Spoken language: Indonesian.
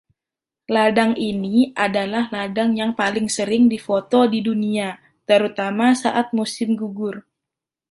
Ladang ini adalah ladang yang paling sering difoto di dunia, terutama saat musim gugur.